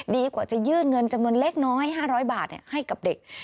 ดีกว่าจะยื่นเงินจำนวนเล็กน้อย๕๐๐บาทให้กับเด็ก